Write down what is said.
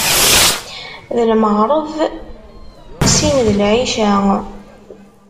D lmeɣreb, sin d lɛica.